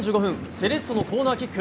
セレッソのコーナーキック。